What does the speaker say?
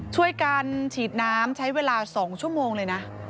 ช่วยกันฉีดน้ำใช้เวลา๒ชั่วโมงเลยนะ